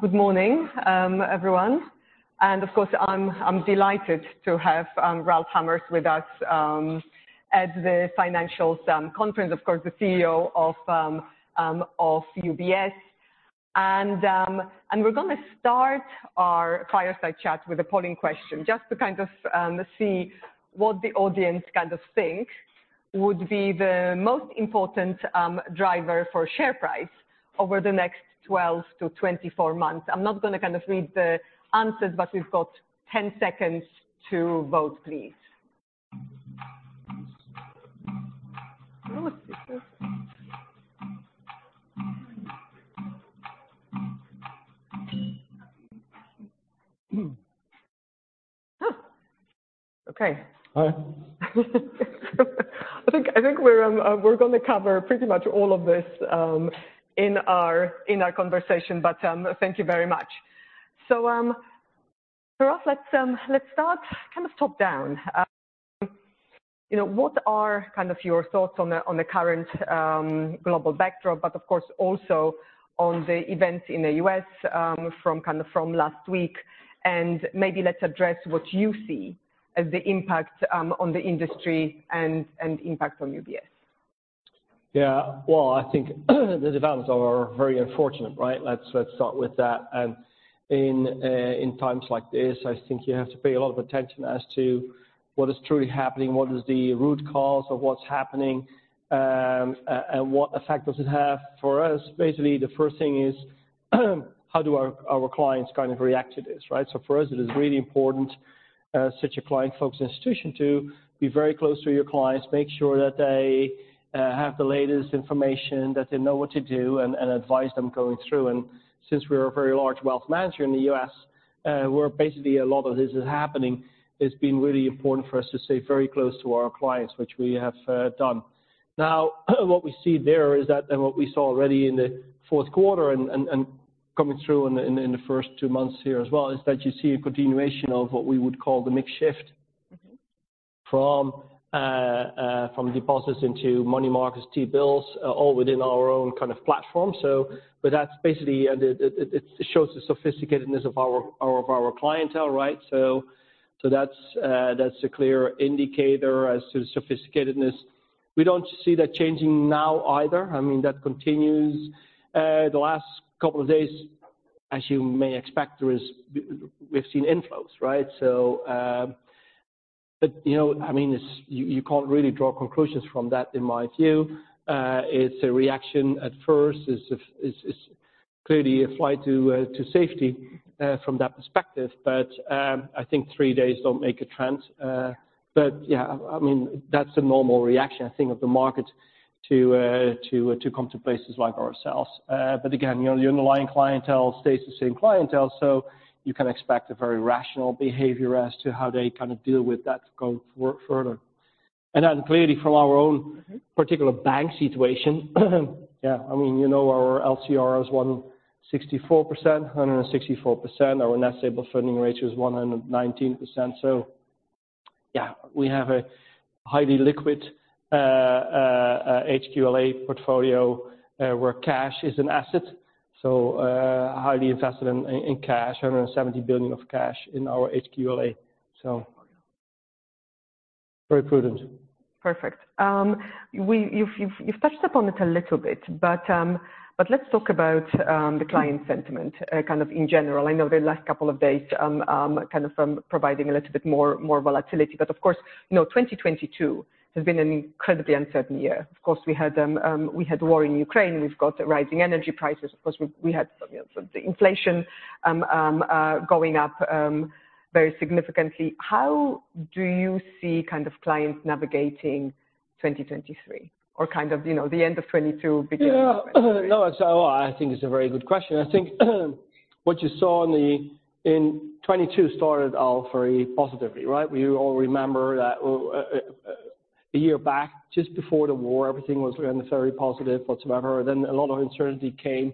Good morning, everyone. Of course, I'm delighted to have Ralph Hamers with us at the financials conference, of course, the CEO of UBS. We're going to start our fireside chat with a polling question just to kind of see what the audience kind of think would be the most important driver for share price over the next 12-24 months. I'm not going to kind of read the answers, we've got 10 seconds to vote, please. Okay. Hi. I think, we're gonna cover pretty much all of this in our conversation. Thank you very much. Ralph, let's start kind of top down. You know, what are kind of your thoughts on the, on the current global backdrop, but of course also on the events in the U.S., from kind of last week? Maybe let's address what you see as the impact on the industry and impact on UBS. Yeah. Well, I think the developments are very unfortunate, right? Let's start with that. In times like this, I think you have to pay a lot of attention as to what is truly happening, what is the root cause of what's happening, and what effect does it have. For us, basically, the first thing is, how do our clients kind of react to this, right? For us it is really important as such a client-focused institution to be very close to your clients, make sure that they have the latest information, that they know what to do and advise them going through. Since we're a very large wealth manager in the U.S., where basically a lot of this is happening, it's been really important for us to stay very close to our clients, which we have done. Now, what we see there is that. What we saw already in the fourth quarter and coming through in the first two months here as well, is that you see a continuation of what we would call the mix shift. Mm-hmm. from deposits into money markets, T-bills, all within our own kind of platform. But that's basically. It shows the sophisticatedness of our, of our clientele, right? That's a clear indicator as to the sophisticatedness. We don't see that changing now either. I mean, that continues. The last couple of days, as you may expect, there is we've seen inflows, right? But, you know, I mean, you can't really draw conclusions from that in my view. It's a reaction at first. It's clearly a flight to safety from that perspective. But, I think three days don't make a trend. But yeah, I mean, that's a normal reaction I think of the market to come to places like ourselves. Again, you know, the underlying clientele stays the same clientele, so you can expect a very rational behavior as to how they kind of deal with that to go further. Clearly from our own particular bank situation, I mean, you know, our LCR is 164%. Our Net Stable Funding Ratio is 119%. We have a highly liquid HQLA portfolio, where cash is an asset. Highly invested in cash, $170 billion of cash in our HQLA. Very prudent. Perfect. You've touched upon it a little bit, but let's talk about the client sentiment, kind of in general. I know the last couple of days, kind of providing a little bit more volatility. Of course, you know, 2022 has been an incredibly uncertain year. Of course, we had war in Ukraine. We've got rising energy prices. Of course, we had, you know, the inflation going up very significantly. How do you see kind of clients navigating 2023 or kind of, you know, the end of 2022 beginning of 2023? No. I think it's a very good question. I think what you saw in 22 started out very positively, right? We all remember that, a year back, just before the war, everything was very positive whatsoever. A lot of uncertainty came.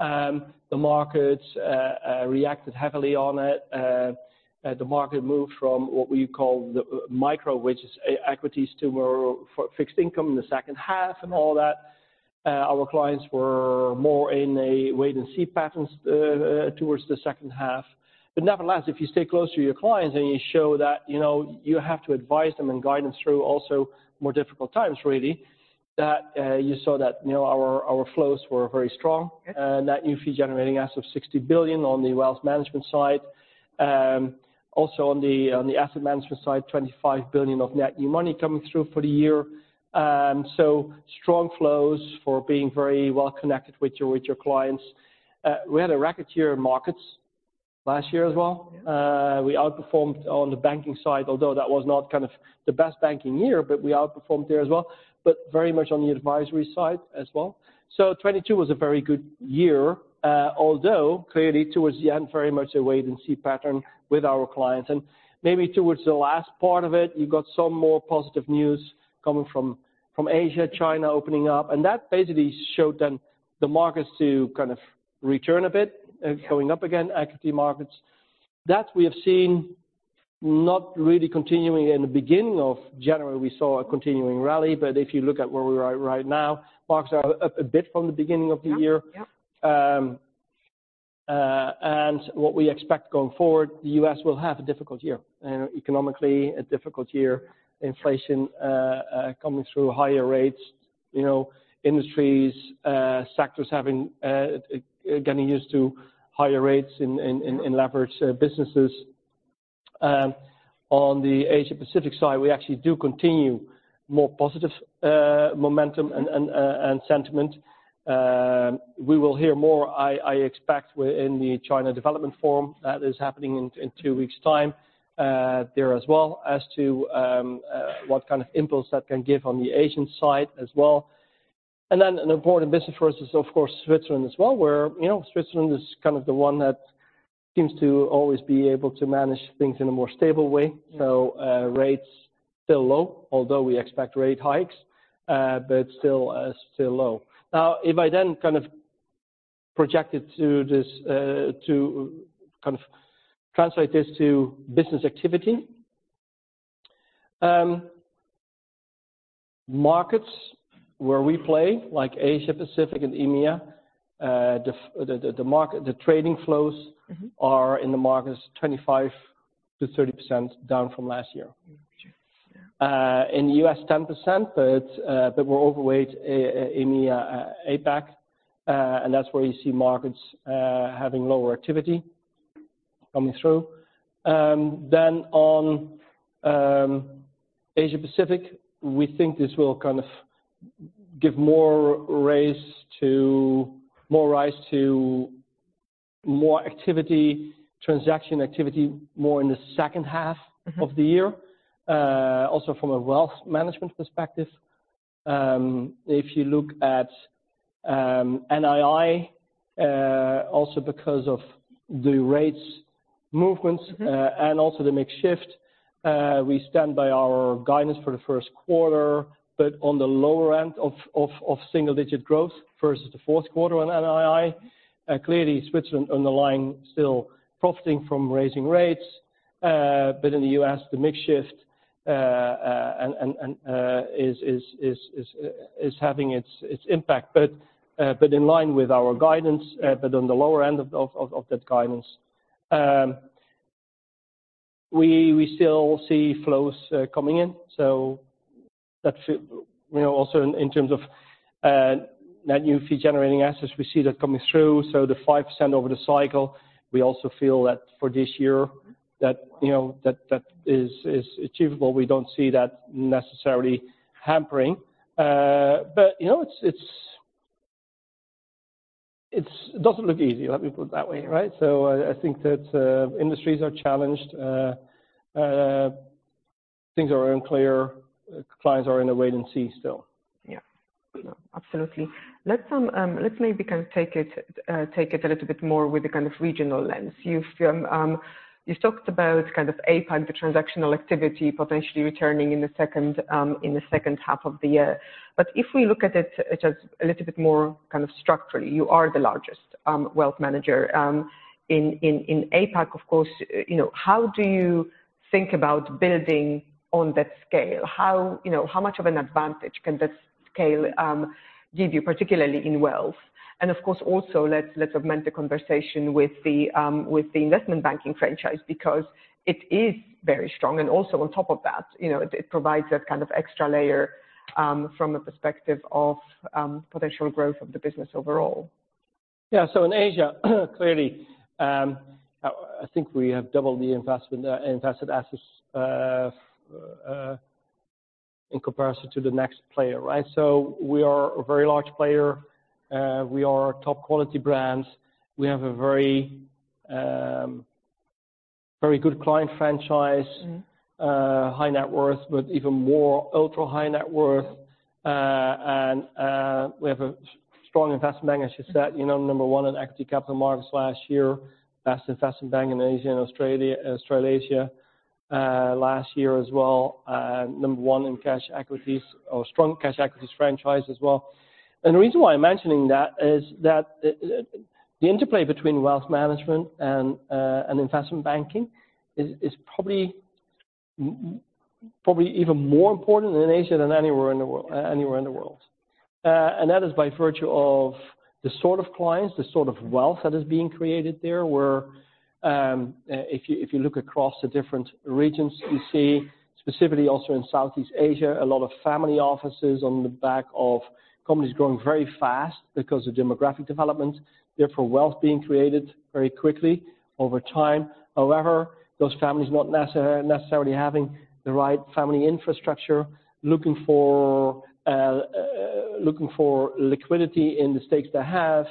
The markets reacted heavily on it. The market moved from what we call the micro, which is equities, to more fixed income in the second half and all that. Our clients were more in a wait and see patterns towards the second half. Nevertheless, if you stay close to your clients and you show that, you know, you have to advise them and guide them through also more difficult times really, that, you saw that, you know, our flows were very strong. Okay. Net new fee-generating assets of $60 billion on the wealth management side. Also on the asset management side, $25 billion of net new money coming through for the year. Strong flows for being very well connected with your clients. We had a record year in markets last year as well. Yeah. We outperformed on the banking side, although that was not kind of the best banking year, but we outperformed there as well. Very much on the advisory side as well. 2022 was a very good year, although clearly towards the end, very much a wait and see pattern with our clients. Maybe towards the last part of it, you got some more positive news coming from Asia, China opening up. That basically showed then the markets to kind of return a bit, going up again, equity markets. That we have seen. Not really continuing. In the beginning of January, we saw a continuing rally, but if you look at where we are right now, markets are up a bit from the beginning of the year. Yep, yep. What we expect going forward, the U.S. will have a difficult year. You know, economically a difficult year. Inflation coming through higher rates, you know, industries, sectors having getting used to higher rates in leveraged businesses. On the Asia Pacific side, we actually do continue more positive momentum and sentiment. We will hear more, I expect, in the China Development Forum that is happening in two weeks' time there as well as to what kind of impulse that can give on the Asian side as well. An important business for us is of course, Switzerland as well, where, you know, Switzerland is kind of the one that seems to always be able to manage things in a more stable way. Yeah. Rates still low, although we expect rate hikes, but still low. If I then kind of project it to this, to kind of translate this to business activity, markets where we play like Asia Pacific and EMEA, the market, the flows. Mm-hmm. -are in the markets 25%-30% down from last year. Okay. Yeah. In the U.S., 10%, we're overweight, EMEA, APAC. That's where you see markets, having lower activity coming through. On Asia Pacific, we think this will kind of give More rise to more activity, transaction activity, more in the second half... Mm-hmm. -of the year. Also from a wealth management perspective, if you look at, NII, also because of the rates movements- Mm-hmm. Also the mix shift, we stand by our guidance for the first quarter, but on the lower end of single-digit growth versus the fourth quarter on NII. Clearly Switzerland underlying still profiting from raising rates. In the U.S. the mix shift, and is having its impact. In line with our guidance, but on the lower end of that guidance. We still see flows coming in. That should... You know, also in terms of net new fee-generating assets, we see that coming through, so the 5% over the cycle. We also feel that for this year, that, you know, that is achievable. We don't see that necessarily hampering. You know, it's, it's, it doesn't look easy, let me put it that way, right? I think that industries are challenged. Things are unclear. Clients are in a wait and still. Yeah. No, absolutely. Let's maybe kind of take it a little bit more with a kind of regional lens. You've talked about kind of APAC, the transactional activity potentially returning in the second half of the year. If we look at it just a little bit more kind of structurally, you are the largest wealth manager in APAC, of course. You know, how do you think about building on that scale? How, you know, how much of an advantage can that scale give you, particularly in wealth? Of course, also let's augment the conversation with the investment banking franchise because it is very strong. Also on top of that, you know, it provides a kind of extra layer, from a perspective of potential growth of the business overall. Yeah. In Asia, clearly, I think we have doubled the investment assets in comparison to the next player, right? We are a very large player. We are top quality brands. We have a very good client franchise. Mm-hmm. High net worth, but even more ultra-high net worth. And we have a strong investment bank, as you said, you know, number one in equity capital markets last year. Best investment bank in Asia and Australia, Australasia, last year as well. Number one in cash equities or strong cash equities franchise as well. The reason why I'm mentioning that is that the interplay between wealth management and investment banking is probably even more important in Asia than anywhere in the world. That is by virtue of the sort of clients, the sort of wealth that is being created there, where, if you look across the different regions, you see specifically also in Southeast Asia, a lot of family offices on the back of companies growing very fast because of demographic development, therefore, wealth being created very quickly over time. However, those families not necessarily having the right family infrastructure, looking for liquidity in the stakes they have.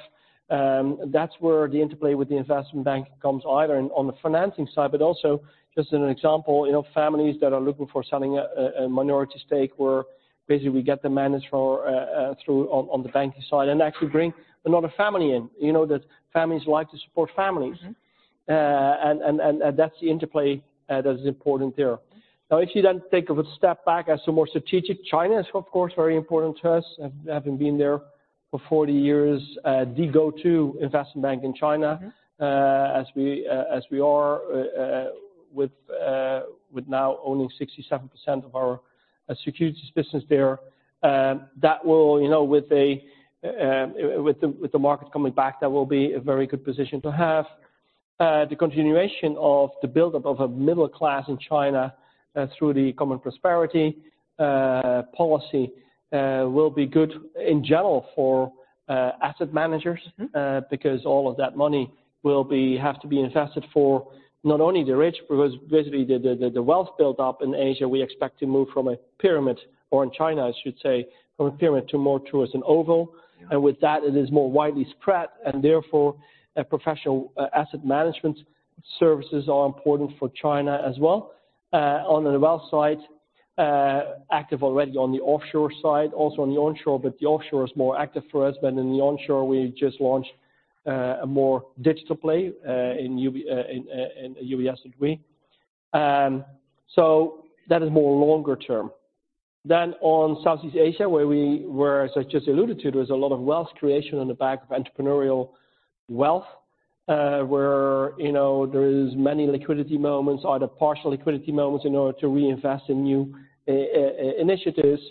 That's where the interplay with the investment bank comes either on the financing side, but also, just as an example, you know, families that are looking for selling a minority stake, where basically we get the manage for through on the banking side and actually bring another family in. You know that families like to support families. Mm-hmm. That's the interplay that is important there. If you then take a step back as to more strategic, China is of course, very important to us, having been there-For 40 years, the go-to investment bank in China, as we are, with now owning 67% of our securities business there. That will, you know, with the market coming back, that will be a very good position to have. The continuation of the build-up of a middle class in China, through the common prosperity policy, will be good in general for asset managers. Mm-hmm Because all of that money have to be invested for not only the rich, because basically the wealth built up in Asia, we expect to move from a pyramid or in China, I should say, from a pyramid to more towards an oval. Yeah. With that, it is more widely spread and therefore a professional asset management services are important for China as well. On the wealth side, active already on the offshore side, also on the onshore, the offshore is more active for us than in the onshore. We just launched a more digital play in UBS key4. That is more longer term. On Southeast Asia, where we were, as I just alluded to, there's a lot of wealth creation on the back of entrepreneurial wealth, where, you know, there is many liquidity moments or the partial liquidity moments in order to reinvest in new initiatives.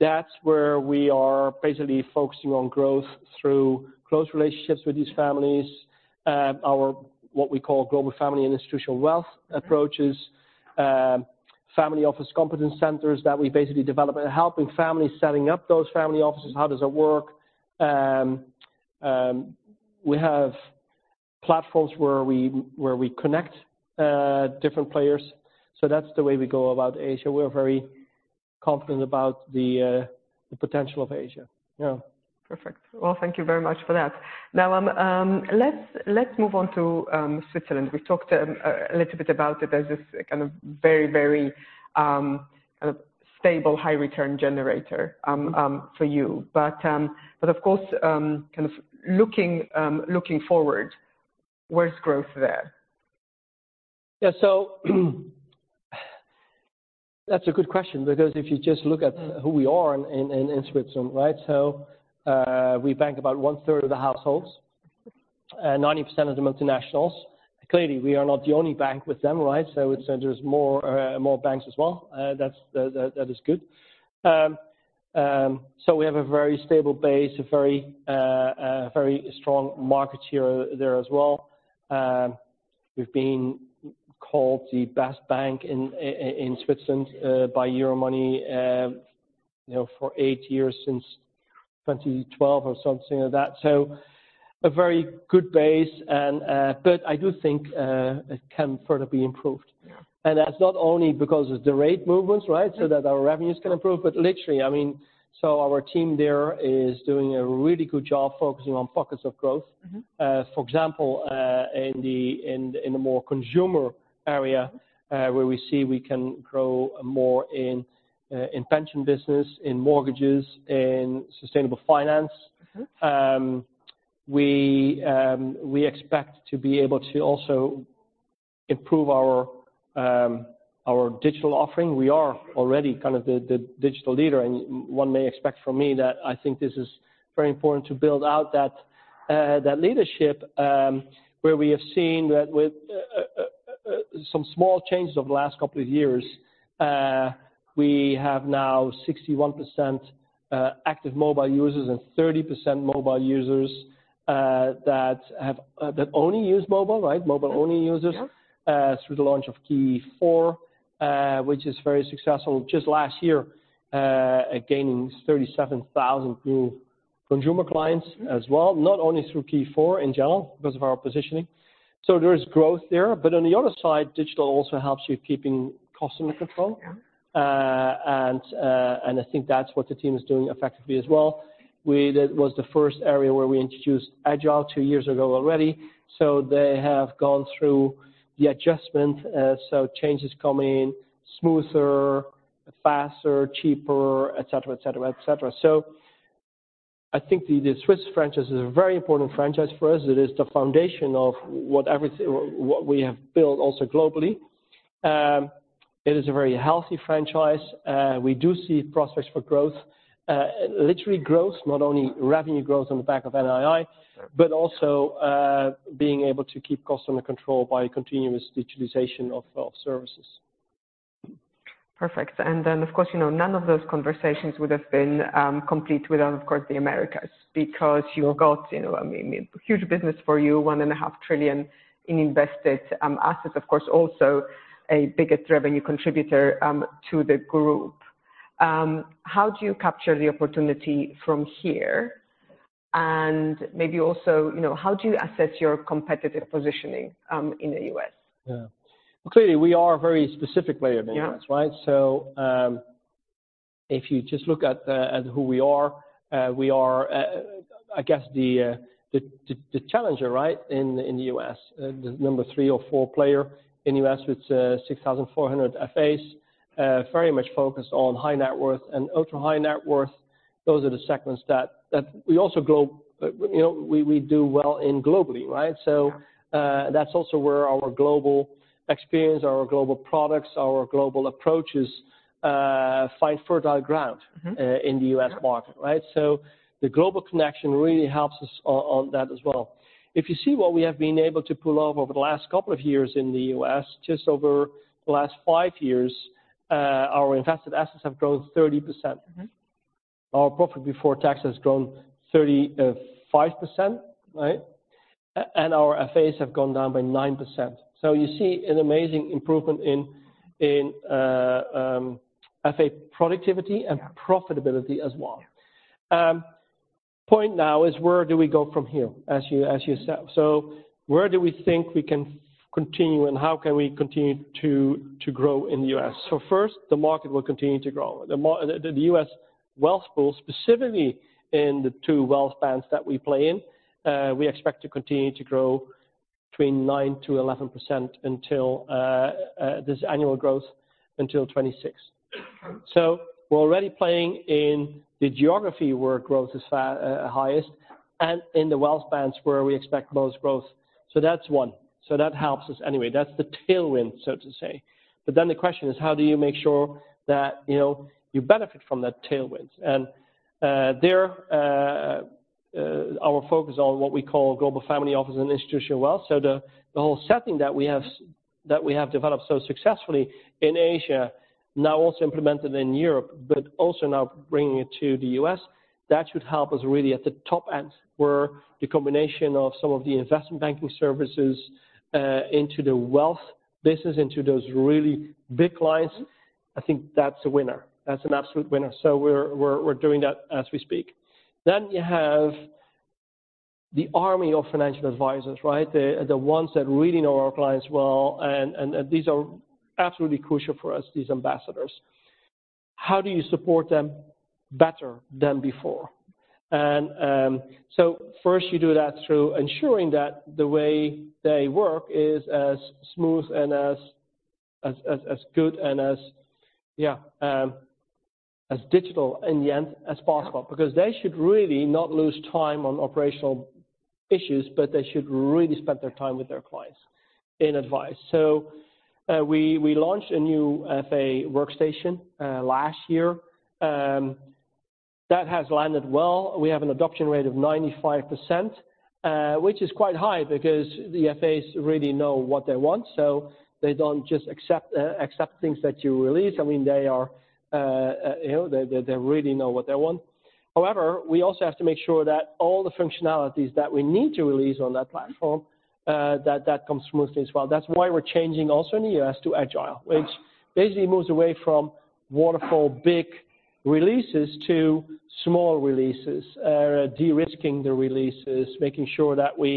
That's where we are basically focusing on growth through close relationships with these families. Our. what we call Global Family and Institutional Wealth approaches, family office competence centers that we basically develop and helping families setting up those family offices. How does it work? We have platforms where we connect different players. That's the way we go about Asia. We're very confident about the potential of Asia. Yeah. Perfect. Well, thank you very much for that. Now, let's move on to Switzerland. We talked a little bit about it as this kind of very, kind of stable, high return generator, for you. Of course, kind of looking forward, where's growth there? Yeah. That's a good question because if you just look at who we are in Switzerland, right? We bank about one-third of the households, 90% of the multinationals. Clearly, we are not the only bank with them, right? There's more banks as well. That is good. We have a very stable base, a very strong market share there as well. We've been called the best bank in Switzerland by Euromoney, you know, for eight years since 2012 or something like that. A very good base and, but I do think it can further be improved. Yeah. That's not only because of the rate movements, right? That our revenues can improve, but literally, I mean, so our team there is doing a really good job focusing on pockets of growth. Mm-hmm. For example, in a more consumer area. Mm-hmm... where we see we can grow more in pension business, in mortgages, in sustainable finance. Mm-hmm. We expect to be able to also improve our digital offering. We are already kind of the digital leader. One may expect from me that I think this is very important to build out that leadership, where we have seen that with some small changes over the last couple of years, we have now 61% active mobile users and 30% mobile users that have that only use mobile, right? Mobile only users. Yeah... through the launch of Key4, which is very successful just last year, gaining 37,000 new consumer clients as well, not only through Key4 in general because of our positioning. There is growth there. On the other side, digital also helps with keeping customer control. Yeah. I think that's what the team is doing effectively as well. That was the first area where we introduced Agile two years ago already. They have gone through the adjustment, change is coming smoother, faster, cheaper, et cetera, et cetera, et cetera. I think the Swiss franchise is a very important franchise for us. It is the foundation of what we have built also globally. It is a very healthy franchise. We do see prospects for growth, literally growth, not only revenue growth on the back of NII. Sure. Also, being able to keep customer control by continuous digitalization of services. Perfect. Of course, you know, none of those conversations would have been complete without, of course, the Americas, because you've got, you know, I mean, huge business for you, $ 1.5 trillion in invested assets, of course, also a bigger revenue contributor to the group. How do you capture the opportunity from here? Maybe also, you know, how do you assess your competitive positioning in the U.S.? Yeah. Clearly, we are a very specific player in the U.S., right? Yeah. If you just look at who we are, we are I guess the challenger, right, in the U.S. The number three or four player in the U.S. with 6,400 FAs, very much focused on high net worth and ultra-high net worth. Those are the segments that we also go, you know, we do well in globally, right? Yeah. That's also where our global experience, our global products, our global approaches, find fertile ground. Mm-hmm. in the U.S. market, right? The global connection really helps us on that as well. If you see what we have been able to pull off over the last couple of years in the U.S., just over the last five years, our invested assets have grown 30%.. Mm-hmm. Our profit before tax has grown 35%, right? And our FAs have gone down by 9%. You see an amazing improvement in FA productivity and profitability as well. Point now is where do we go from here, as you said. Where do we think we can continue, and how can we continue to grow in the US? First, the market will continue to grow. The U.S. wealth pool, specifically in the two wealth bands that we play in, we expect to continue to grow between 9%-11% until this annual growth until 2026. We're already playing in the geography where growth is highest and in the wealth bands where we expect most growth. That's one. That helps us anyway. That's the tailwind, so to say. The question is, how do you make sure that, you know, you benefit from that tailwind? There, our focus on what we call Global Family and Institutional Wealth. The whole setting that we have developed so successfully in Asia now also implemented in Europe, but also now bringing it to the U.S., that should help us really at the top end, where the combination of some of the investment banking services into the wealth business, into those really big clients, I think that's a winner. That's an absolute winner. We're doing that as we speak. You have the army of Financial Advisors, right? The ones that really know our clients well, and these are absolutely crucial for us, these ambassadors. How do you support them better than before? First you do that through ensuring that the way they work is as smooth and as good and as digital in the end as possible, because they should really not lose time on operational issues, but they should really spend their time with their clients in advice. We launched a new FA workstation last year that has landed well. We have an adoption rate of 95%, which is quite high because the FAs really know what they want, so they don't just accept things that you release. I mean, you know, they really know what they want. We also have to make sure that all the functionalities that we need to release on that platform, that comes smoothly as well. That's why we're changing also in the U.S. to Agile, which basically moves away from waterfall big releases to small releases, de-risking the releases, making sure that we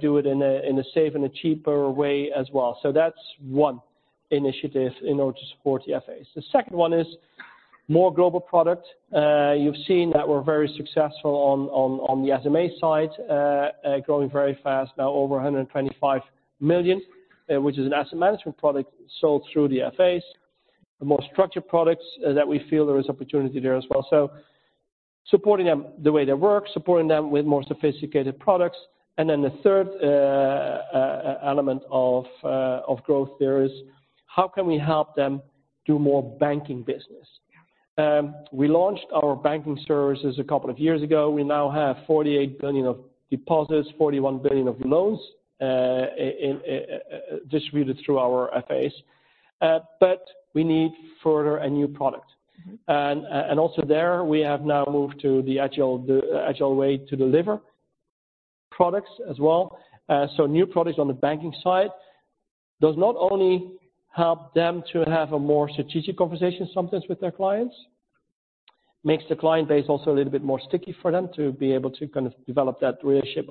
do it in a safe and a cheaper way as well. That's one initiative in order to support the FAs. The second one is more global product. You've seen that we're very successful on the SMA side, growing very fast, now over $125 million, which is an asset management product sold through the FAs. The more structured products, that we feel there is opportunity there as well. Supporting them the way they work, supporting them with more sophisticated products. The third element of growth there is how can we help them do more banking business? We launched our banking services a couple of years ago. We now have $48 billion of deposits, $41 billion of loans, in distributed through our FAs. We need further a new product. Mm-hmm. Also there, we have now moved to the Agile way to deliver products as well. New products on the banking side does not only help them to have a more strategic conversation sometimes with their clients, makes the client base also a little bit more sticky for them to be able to kind of develop that relationship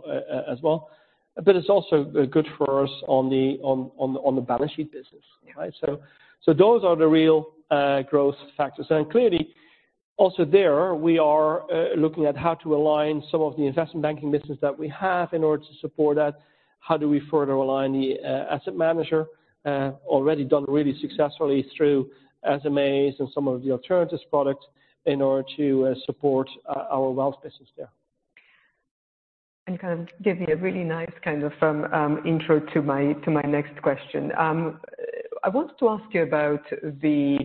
as well. It's also good for us on the balance sheet business. Yeah.Right? So those are the real growth factors. Clearly also there we are looking at how to align some of the investment banking business that we have in order to support that. How do we further align the asset manager, already done really successfully through SMAs and some of the alternatives products in order to support our wealth business there. Kind of gave me a really nice kind of, intro to my, to my next question. I wanted to ask you about the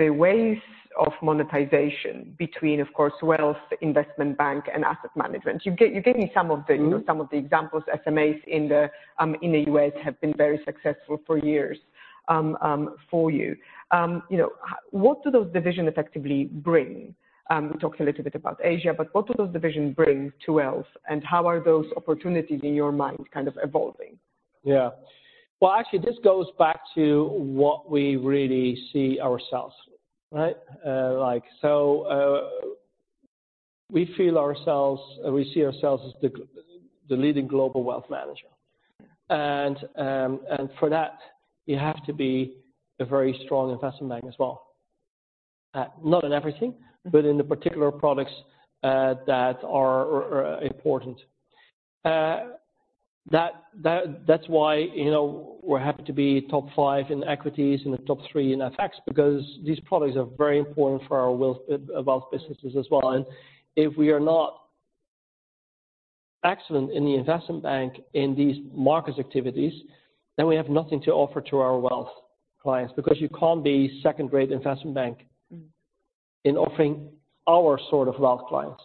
ways of monetization between, of course, wealth, investment bank and asset management. You gave me some of the- Mm-hmm. you know, some of the examples, SMAs in the U.S. have been very successful for years for you. you know, what do those division effectively bring? We talked a little bit about Asia, but what do those division bring to wealth, and how are those opportunities in your mind kind of evolving? Yeah. Well, actually, this goes back to what we really see ourselves, right? like, so, we feel ourselves, we see ourselves as the leading global wealth manager. For that, you have to be a very strong investment bank as well. not in everything- Mm-hmm. in the particular products, that are important. That's why, you know, we're happy to be top five in equities and the top three in FX because these products are very important for our wealth businesses as well. If we are not excellent in the investment bank in these markets activities, then we have nothing to offer to our wealth clients, because you can't be second-rate investment bank in offering our sort of wealth clients.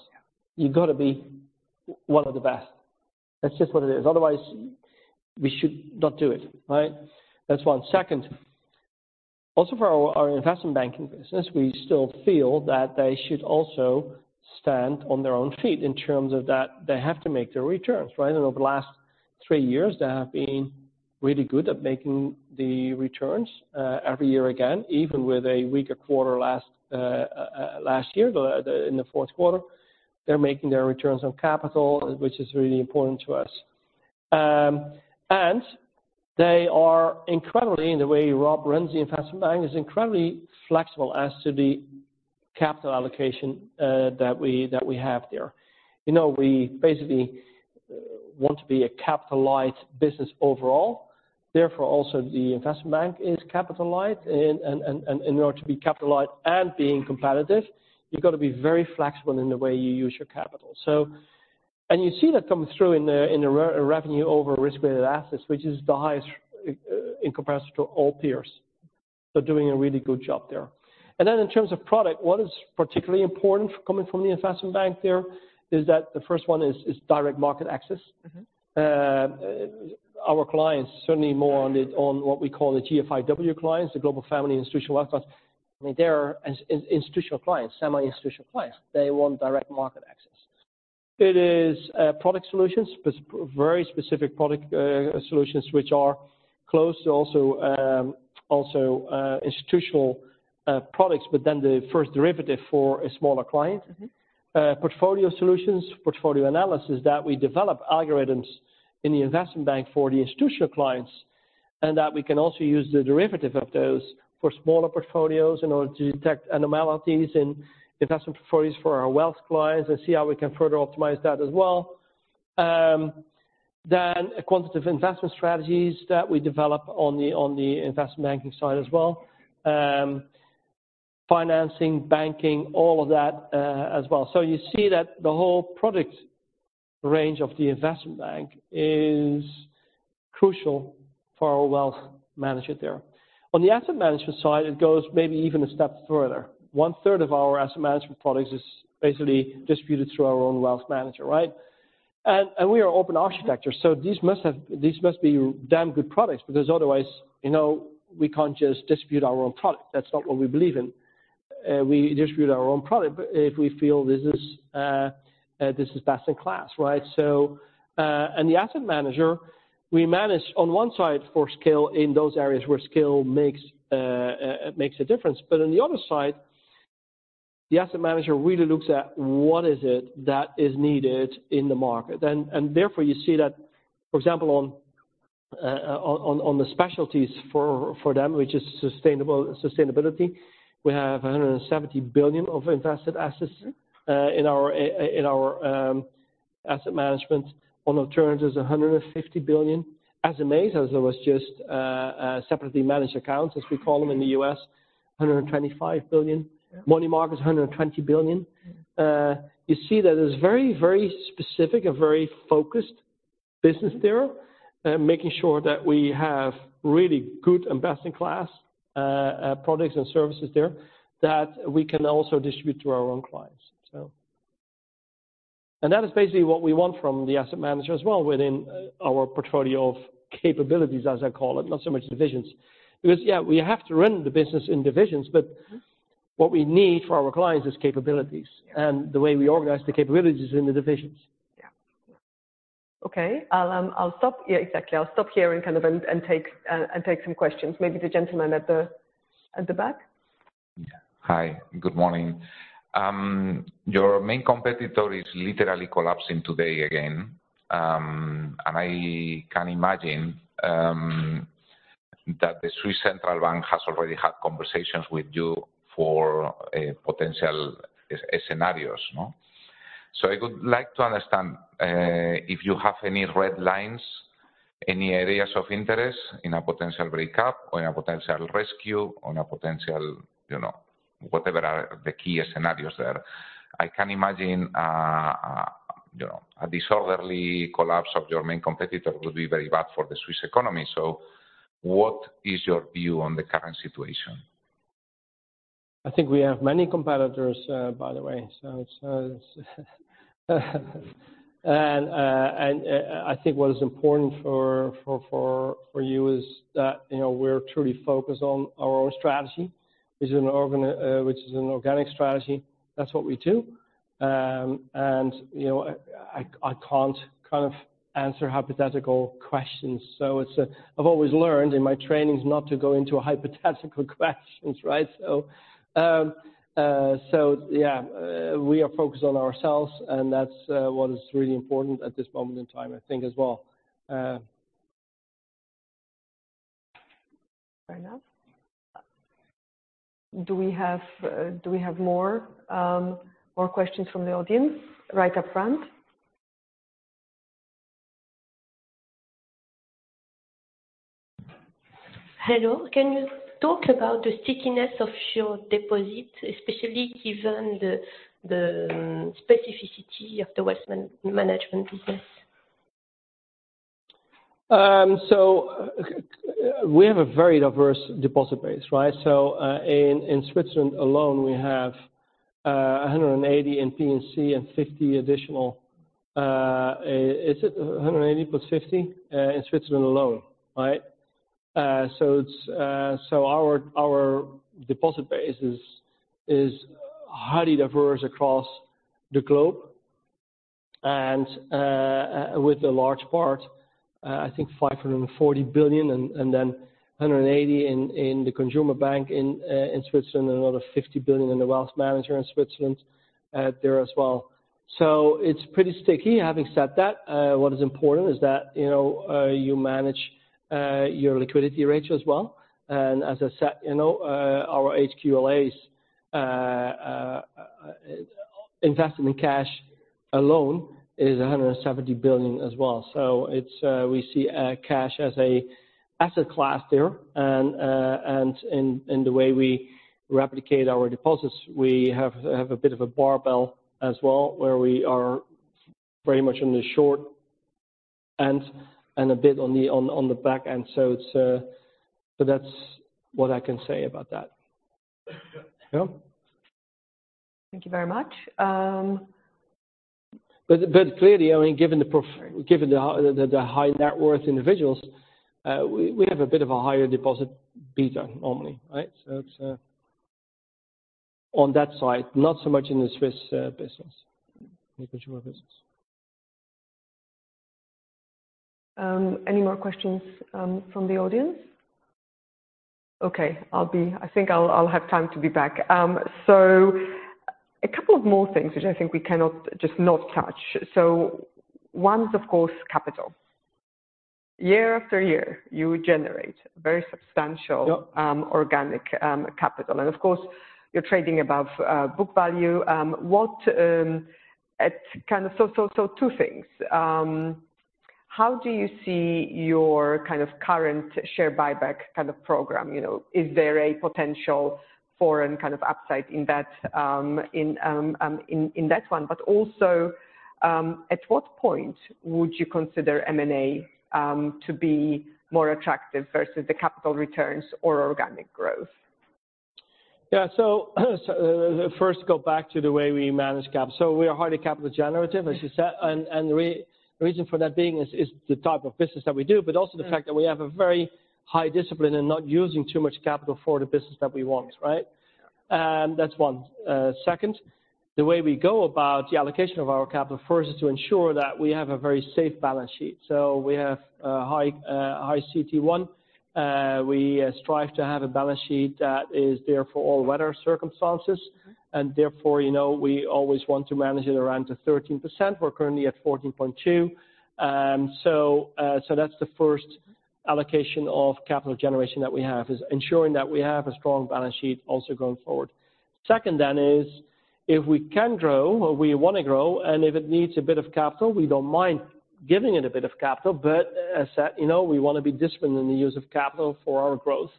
Yeah. You've got to be one of the best. That's just what it is. Otherwise, we should not do it, right? That's one. Second, also for our investment banking business, we still feel that they should also stand on their own feet in terms of that they have to make their returns, right? Over the last three years, they have been really good at making the returns, every year again, even with a weaker quarter last year, in the fourth quarter. They're making their returns on capital, which is really important to us. They are incredibly, in the way Rob runs the investment bank, is incredibly flexible as to the capital allocation that we have there. You know, we basically want to be a capital light business overall. Therefore, also the investment bank is capital light and in order to be capital light and being competitive, you've got to be very flexible in the way you use your capital. You see that coming through in the revenue over Risk-Weighted Assets, which is the highest in comparison to all peers. Doing a really good job there. In terms of product, what is particularly important coming from the investment bank there is that the first one is direct market access. Mm-hmm. Our clients, certainly more on what we call the GFIW clients, the Global Family Institutional Wealth clients. I mean, they are institutional clients, semi-institutional clients. They want direct market access. It is product solutions, very specific product solutions which are close to also institutional products, the first derivative for a smaller client. Mm-hmm. Portfolio solutions, portfolio analysis that we develop algorithms in the investment bank for the institutional clients, and that we can also use the derivative of those for smaller portfolios in order to detect anomalies in investment portfolios for our wealth clients and see how we can further optimize that as well. Quantitative investment strategies that we develop on the, on the investment banking side as well. Financing, banking, all of that as well. You see that the whole product range of the investment bank is crucial for our wealth manager there. On the asset management side, it goes maybe even a step further. One third of our asset management products is basically distributed through our own wealth manager, right? We are open architecture, so these must be damn good products, because otherwise, you know, we can't just distribute our own product. That's not what we believe in. We distribute our own product, but if we feel this is best in class, right? The asset manager, we manage on one side for scale in those areas where scale makes a difference. On the other side, the asset manager really looks at what is it that is needed in the market. Therefore, you's see that, for example, on the specialties for them, which is sustainable, sustainability. We have $170 billion of invested assets. Mm-hmm. in our asset management. On alternatives, $150 billion. SMAs, as it was just, separately managed accounts, as we call them in the U.S., $125 billion. Sure. Money markets, $120 billion. You see that it's very, very specific and very focused business there, making sure that we have really good and best-in-class products and services there that we can also distribute to our own clients, so. That is basically what we want from the asset manager as well within our portfolio of capabilities, as I call it, not so much divisions. Because, yeah, we have to run the business in divisions. Mm-hmm. What we need for our clients is capabilities. Yeah. The way we organize the capabilities is in the divisions. Okay. I'll stop. Yeah, exactly. I'll stop here and kind of and take some questions. Maybe the gentleman at the back. Yeah. Hi. Good morning. Your main competitor is literally collapsing today again. I can imagine that the Swiss National Bank has already had conversations with you for potential s-scenarios, no? I would like to understand if you have any red lines, any areas of interest in a potential breakup or in a potential rescue or in a potential, you know, whatever are the key scenarios there. I can imagine, you know, a disorderly collapse of your main competitor would be very bad for the Swiss economy. What is your view on the current situation? I think we have many competitors, by the way. And I think what is important for you is that, you know, we're truly focused on our own strategy, which is an organic strategy. That's what we do. You know, I can't kind of answer hypothetical questions. It's I've always learned in my trainings not to go into hypothetical questions, right? Yeah, we are focused on ourselves, and that's what is really important at this moment in time, I think as well. Fair enough. Do we have more questions from the audience? Right up front. Hello. Can you talk about the stickiness of your deposit, especially given the specificity of the wealth management business? We have a very diverse deposit base, right? In Switzerland alone, we have 180 in P&C and 50 additional... Is it 180 plus 50 in Switzerland alone, right? Our deposit base is highly diverse across the globe. With a large part, I think 540 billion and then 180 in the consumer bank in Switzerland, another 50 billion in the wealth manager in Switzerland there as well. It's pretty sticky. Having said that, what is important is that, you know, you manage your liquidity rates as well. As I said, you know, our HQLAs investment in cash alone is 170 billion as well. It's, we see cash as a asset class there. And in the way we replicate our deposits, we have a bit of a barbell as well, where we are very much on the short end and a bit on the back end. It's. That's what I can say about that. Yeah. Thank you very much. Clearly, I mean, given the high net worth individuals, we have a bit of a higher deposit beta normally, right? It's on that side, not so much in the Swiss business, in the consumer business. Any more questions from the audience? I think I'll have time to be back. A couple of more things which I think we cannot just not touch. One is, of course, capital. Year after year, you generate very substantial- Yeah. organic capital. Of course, you're trading above book value. Two things. How do you see your kind of current share buyback kind of program? You know, is there a potential for an kind of upside in that one? Also, at what point would you consider M&A to be more attractive versus the capital returns or organic growth? First go back to the way we manage capital. We are highly capital generative, as you said. Reason for that being is the type of business that we do, but also the fact that we have a very high discipline in not using too much capital for the business that we want, right? That's one. Second, the way we go about the allocation of our capital first is to ensure that we have a very safe balance sheet. We have a high, high CT1. We strive to have a balance sheet that is there for all weather circumstances, and therefore, you know, we always want to manage it around the 13%. We're currently at 14.2%. That's the first allocation of capital generation that we have, is ensuring that we have a strong balance sheet also going forward. Second is, if we can grow or we wanna grow, and if it needs a bit of capital, we don't mind giving it a bit of capital. But you know, we wanna be disciplined in the use of capital for our growth.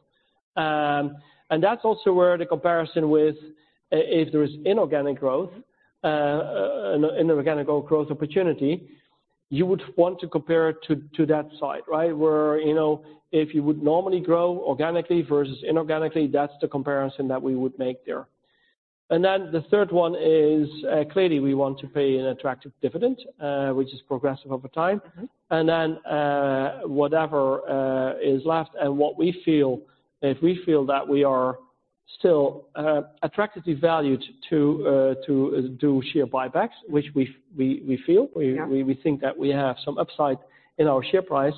That's also where the comparison with if there is inorganic growth, inorganic growth opportunity, you would want to compare it to that side, right? Where, you know, if you would normally grow organically versus inorganically, that's the comparison that we would make there. The third one is, clearly we want to pay an attractive dividend, which is progressive over time. Mm-hmm. Whatever is left and what we feel, if we feel that we are still attractively valued to do share buybacks, which we feel. Yeah. we think that we have some upside in our share price.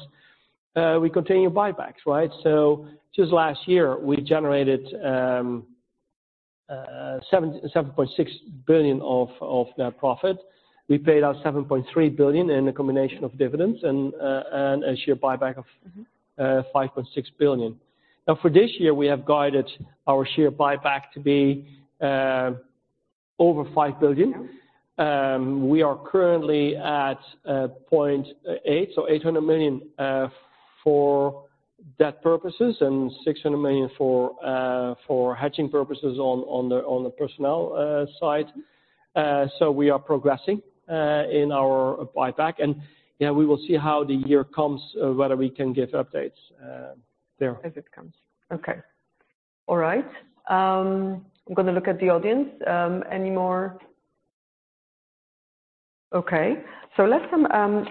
We continue buybacks, right? Just last year, we generated 7.6 billion of net profit. We paid out 7.3 billion in a combination of dividends and a share buyback of- Mm-hmm. $5.6 billion. Now, for this year, we have guided our share buyback to be, over $5 billion. Yeah. We are currently at 0.8, so $800 million for debt purposes and $600 million for hedging purposes on the personnel side. So we are progressing in our buyback. Yeah, we will see how the year comes, whether we can give updates there. As it comes. Okay. All right. I'm gonna look at the audience. Any more... Okay. Let's,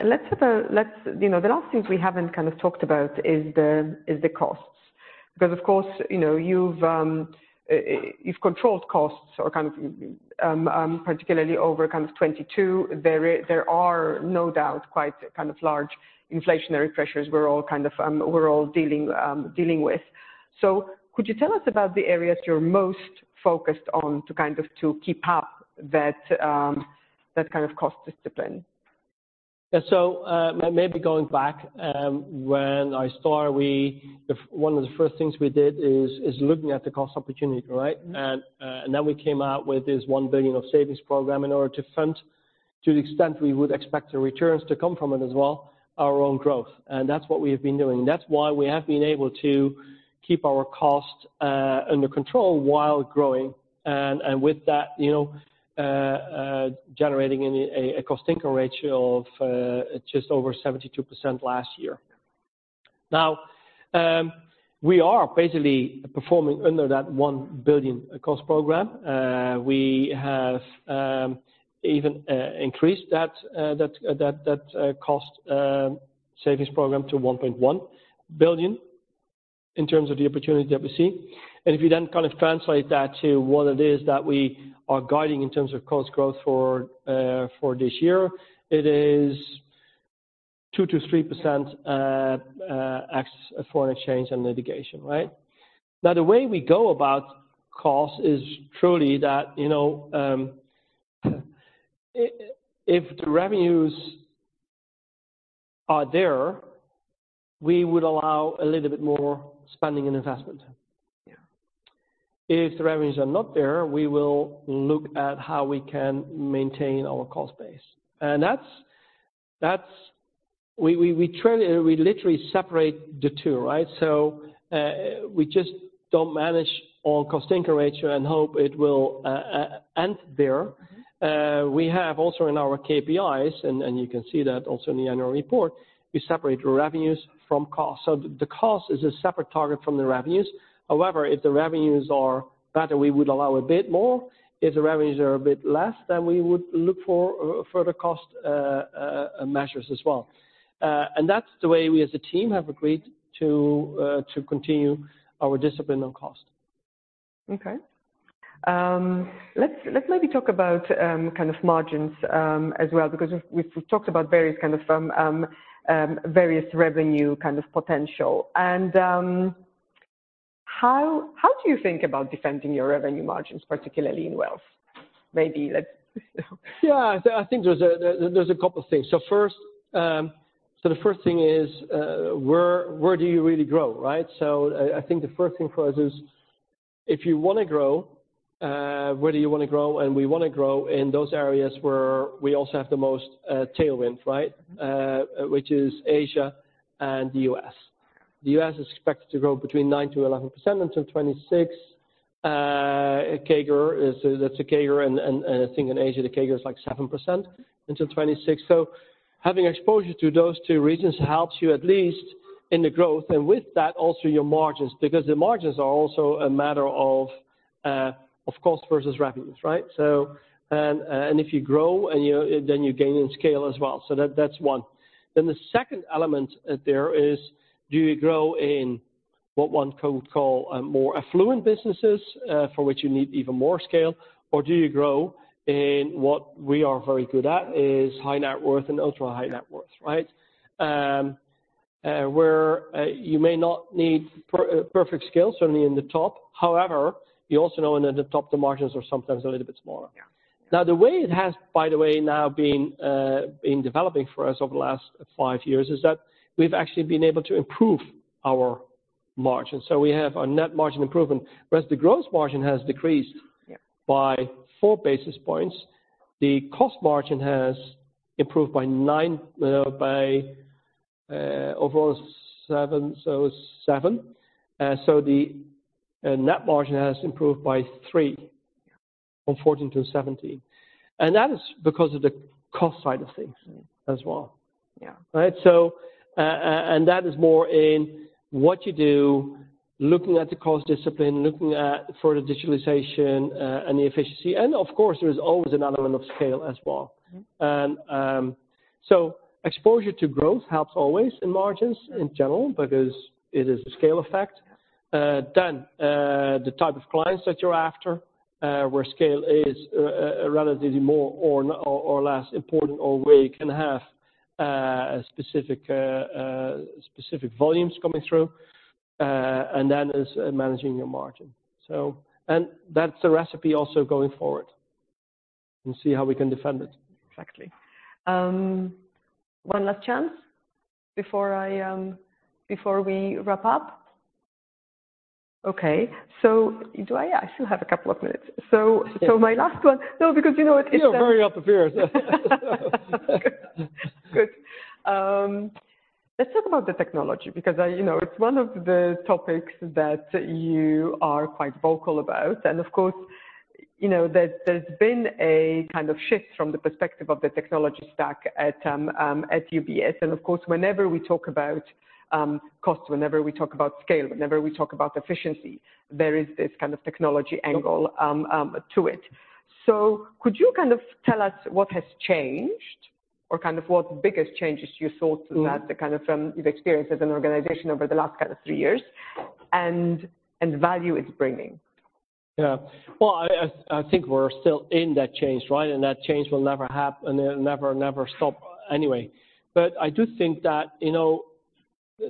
let's have a, let's... You know, the last things we haven't kind of talked about is the costs. Because of course, you know, you've controlled costs or kind of, particularly over kind of 2022. There are no doubt quite kind of large inflationary pressures we're all kind of dealing with. Could you tell us about the areas you're most focused on to kind of keep up that kind of cost discipline? Yeah. maybe going back, when I started, one of the first things we did is looking at the cost opportunity, right? Mm-hmm. Then we came out with this $1 billion of savings program in order to To the extent we would expect the returns to come from it as well, our own growth. That's what we have been doing. That's why we have been able to keep our costs under control while growing. With that, you know, generating a cost-income ratio of just over 72% last year. Now, we are basically performing under that $1 billion cost program. We have even increased that cost savings program to $1.1 billion in terms of the opportunity that we see. If you then kind of translate that to what it is that we are guiding in terms of cost growth for this year, it is 2%-3% ex-foreign exchange and litigation, right. The way we go about cost is truly that, you know, if the revenues are there, we would allow a little bit more spending and investment. Yeah. If the revenues are not there, we will look at how we can maintain our cost base. That's. We try and we literally separate the two, right? We just don't manage on cost-income ratio and hope it will end there. We have also in our KPIs, and you can see that also in the annual report, we separate revenues from costs. The cost is a separate target from the revenues. However, if the revenues are better, we would allow a bit more. If the revenues are a bit less, then we would look for further cost measures as well. That's the way we as a team have agreed to continue our discipline on cost. Okay. Let's maybe talk about kind of margins as well, because we've talked about various kind of various revenue kind of potential. How do you think about defending your revenue margins, particularly in wealth? Maybe let's. Yeah. I think there's a couple of things. First, the first thing is where do you really grow, right? I think the first thing for us is if you wanna grow, where do you wanna grow? And we wanna grow in those areas where we also have the most tailwind, right? Which is Asia and the US. The U.S. is expected to grow between 9%-11% until 2026, CAGR. That's a CAGR and I think in Asia, the CAGR is like 7% until 2026. Having exposure to those two regions helps you at least in the growth and with that, also your margins, because the margins are also a matter of cost versus revenues, right? And if you grow and you then you gain in scale as well. That's one. The second element there is, do you grow in what one could call a more affluent businesses, for which you need even more scale, or do you grow in what we are very good at, is high net worth and ultra-high net worth, right? Where you may not need perfect scale, certainly in the top. You also know in at the top, the margins are sometimes a little bit smaller. Yeah. The way it has, by the way, now been developing for us over the last five years is that we've actually been able to improve our margin. We have a net margin improvement. Whereas the gross margin has decreased... Yeah... by 4 basis points, the cost margin has improved by nine, overall seven, so seven. The net margin has improved by three from 14 to 17. That is because of the cost side of things as well. Yeah. Right? That is more in what you do, looking at the cost discipline, looking at further digitalization, and the efficiency. There is always an element of scale as well. Mm-hmm. Exposure to growth helps always in margins in general because it is a scale effect. Then, the type of clients that you're after, where scale is relatively more or less important, or where you can have specific specific volumes coming through, and then is managing your margin. That's the recipe also going forward, and see how we can defend it. Exactly. One last chance before I, before we wrap up. Okay. I still have a couple of minutes. My last one. No, because you know what? It's. You're very up to here. Good. Let's talk about the technology because I, you know, it's one of the topics that you are quite vocal about. Of course, you know, there's been a kind of shift from the perspective of the technology stack at UBS. Of course, whenever we talk about cost, whenever we talk about scale, whenever we talk about efficiency, there is this kind of technology angle to it. Could you kind of tell us what has changed or kind of what the biggest changes you saw to that, you've experienced as an organization over the last kind of three years and the value it's bringing? Yeah. Well, I think we're still in that change, right? That change will never stop anyway. I do think that, you know,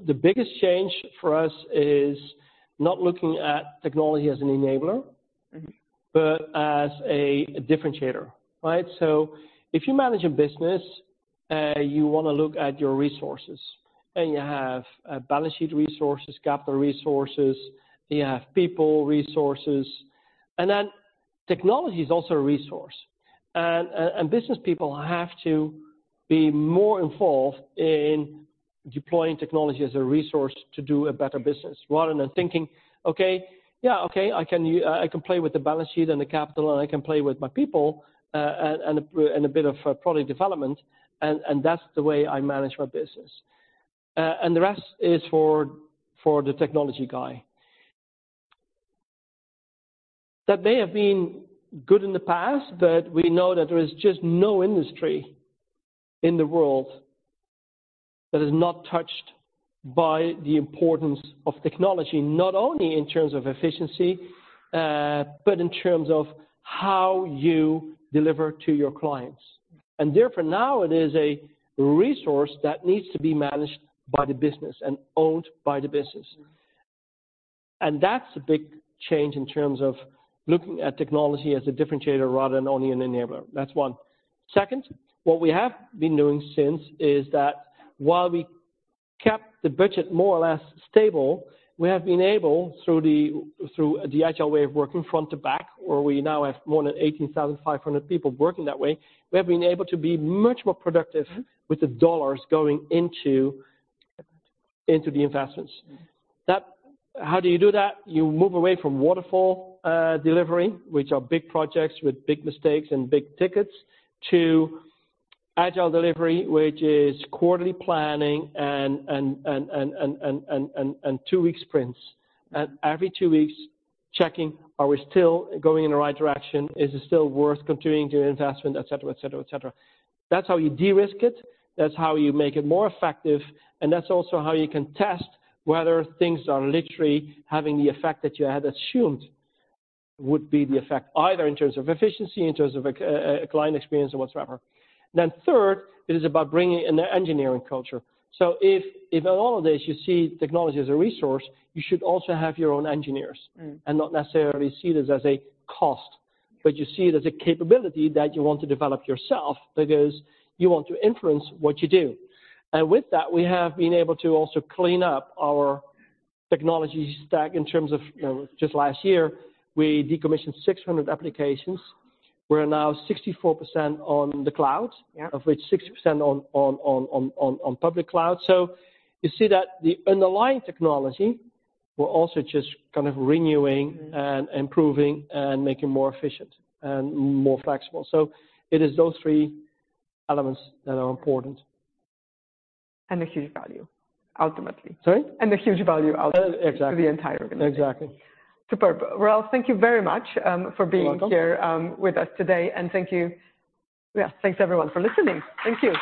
the biggest change for us is not looking at technology as an enabler... Mm-hmm... but as a differentiator, right? If you manage a business, you wanna look at your resources, and you have balance sheet resources, capital resources, you have people resources, and then technology is also a resource. Business people have to be more involved in deploying technology as a resource to do a better business rather than thinking, "Okay, yeah. Okay, I can play with the balance sheet and the capital, and I can play with my people, and a bit of product development, and that's the way I manage my business. The rest is for the technology guy." That may have been good in the past, but we know that there is just no industry in the world that is not touched by the importance of technology, not only in terms of efficiency, but in terms of how you deliver to your clients. Therefore, now it is a resource that needs to be managed by the business and owned by the business. That's a big change in terms of looking at technology as a differentiator rather than only an enabler. That's one. Second, what we have been doing since is that while we kept the budget more or less stable, we have been able, through the agile way of working front to back, where we now have more than 18,500 people working that way, we have been able to be much more productive with the dollars going into the investments. That. How do you do that? You move away from waterfall delivery, which are big projects with big mistakes and big tickets, to Agile delivery, which is quarterly planning and two-week sprints. Every two weeks, checking, are we still going in the right direction? Is it still worth continuing to do investment, et cetera, et cetera, et cetera? That's how you de-risk it, that's how you make it more effective, and that's also how you can test whether things are literally having the effect that you had assumed would be the effect, either in terms of efficiency, in terms of a client experience or whatsoever. Third, it is about bringing in an engineering culture. If in all of this you see technology as a resource, you should also have your own engineers. Mm. Not necessarily see this as a cost, but you see it as a capability that you want to develop yourself because you want to influence what you do. With that, we have been able to also clean up our technology stack in terms of, you know, just last year, we decommissioned 600 applications. We're now 64% on the cloud. Yeah. of which 6% on public cloud. You see that the underlying technology, we're also just kind of renewing. Mm. and improving and making more efficient and more flexible. It is those three elements that are important. A huge value, ultimately. Sorry? A huge value ultimately. Exactly. to the entire organization. Exactly. Superb. Ralph, thank you very much. You're welcome. here, with us today. Thank you. Yeah. Thanks everyone for listening. Thank you.